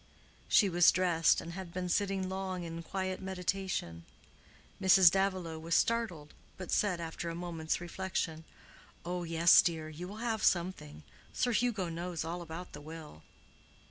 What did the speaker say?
She was dressed, and had been sitting long in quiet meditation. Mrs. Davilow was startled, but said, after a moment's reflection, "Oh yes, dear, you will have something. Sir Hugo knows all about the will."